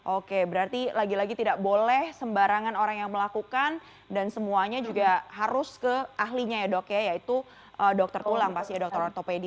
oke berarti lagi lagi tidak boleh sembarangan orang yang melakukan dan semuanya juga harus ke ahlinya ya dok ya yaitu dokter tulang pasti ya dokter ortopedi